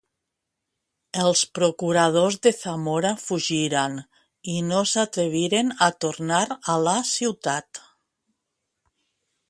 Els procuradors de Zamora fugiren i no s'atreviren a tornar a la ciutat.